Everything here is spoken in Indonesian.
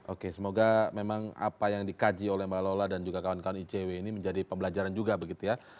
oke semoga memang apa yang dikaji oleh mbak lola dan juga kawan kawan icw ini menjadi pembelajaran juga begitu ya